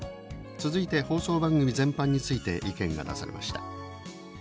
続いて放送番組全般について意見が出されました。